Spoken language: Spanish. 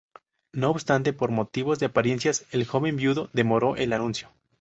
No obstante, por motivos de apariencias, el joven viudo demoró el anuncio.